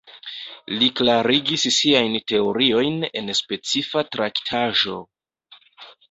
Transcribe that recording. Li klarigis siajn teoriojn en specifa traktaĵo.